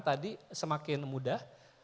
tadi semakin mudah